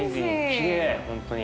．きれい本当に。